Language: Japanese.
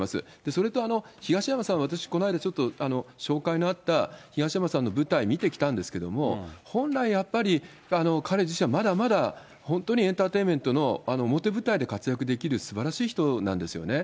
それと東山さん、私、この間ちょっと紹介のあった東山さんの舞台見てきたんですけども、本来やっぱり、彼自身はまだまだ、本当にエンターテイメントの表舞台で活躍できるすばらしい人なんですよね。